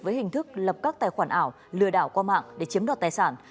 với hình thức lập các tài khoản ảo lừa đảo qua mạng để chiếm đoạt tài sản